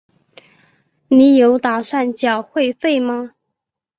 你有打算缴会费吗？